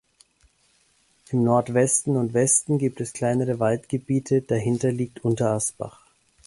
Im Nordwesten und Westen gibt es kleinere Waldgebiete, dahinter liegt Unterasbach.